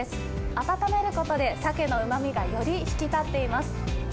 温めることで、サケのうまみがより引き立っています。